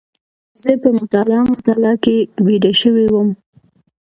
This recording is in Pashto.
زه په مطالعه مطالعه کې بيده شوی وم.